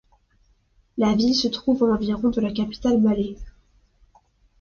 La ville se trouve à environ de la capitale Malé.